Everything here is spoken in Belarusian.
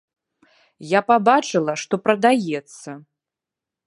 Я пабачыла, што прадаецца.